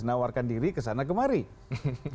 nawarkan diri ke sana kemana mana